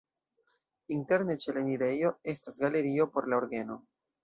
Interne ĉe la enirejo estas galerio por la orgeno.